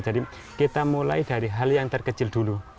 jadi kita mulai dari hal yang terkecil dulu